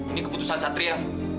ini keputusan satria